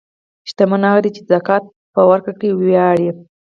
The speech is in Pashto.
شتمن هغه دی چې د زکات په ورکړه ویاړي.